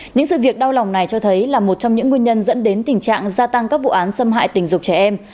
những sự việc đau lòng này cho thấy là một trong những nguyên nhân dẫn đến tình trạng gia tăng các vụ án xâm hại tình dục trẻ em